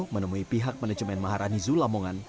menemui pihak manajemen maharani zulamongan